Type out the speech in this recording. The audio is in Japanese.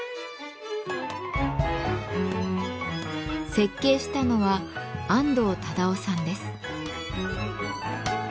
設計したのは安藤忠雄さんです。